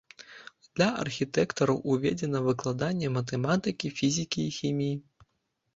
Для архітэктараў уведзена выкладанне матэматыкі, фізікі і хіміі.